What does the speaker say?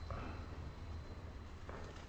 ভালো করেই জানি।